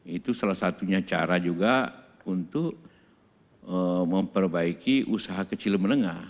itu salah satunya cara juga untuk memperbaiki usaha kecil menengah